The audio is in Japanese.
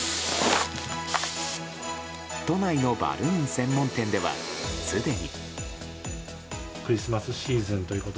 都内のバルーン専門店ではすでに。